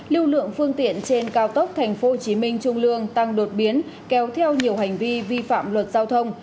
lưu lượng phương tiện trên cao tốc tp hcm trung lương tăng đột biến kéo theo nhiều hành vi vi phạm luật giao thông